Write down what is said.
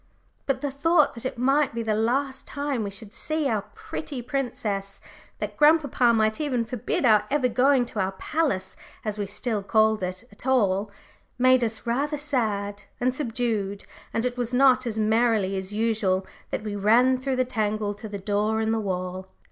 But the thought that it might be the last time we should see our pretty princess that grandpapa might even forbid our ever going to our palace, as we still called it, at all, made us rather sad and subdued, and it was not as merrily as usual that we ran through the tangle to the door in the wall.